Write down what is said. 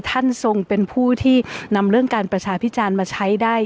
ท่านทรงเป็นผู้ที่นำเรื่องการประชาพิจารณ์มาใช้ได้